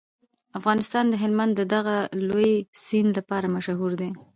افغانستان د هلمند د دغه لوی سیند لپاره مشهور دی.